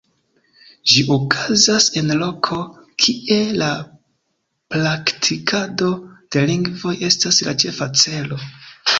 Ĝi okazas en loko, kie la praktikado de lingvoj estas la ĉefa celo.